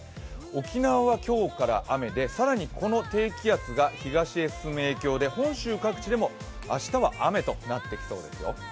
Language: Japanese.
沖縄は今日から雨で更に東へ進む影響で、本州各地でも明日は雨となってきそうですよ。